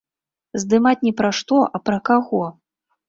Здымаць не пра што, а пра каго.